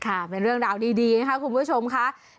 ค่ะเป็นเรื่องราวดีนะคะคุณผู้ชมค่ะ